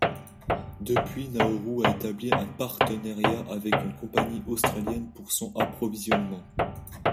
Depuis, Nauru a établi un partenariat avec une compagnie australienne pour son approvisionnement.